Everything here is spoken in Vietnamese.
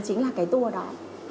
chính là cái tour đó